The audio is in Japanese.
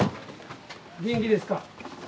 元気ですか？